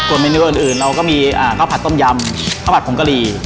ส่วนเมนูอื่นอื่นเราก็มีอ่าเข้าผัดต้มยำเข้าผัดผงกะหรี่